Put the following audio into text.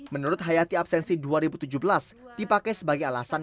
menurut hayati absensi dua ribu tujuh belas dipakai sebagai alasan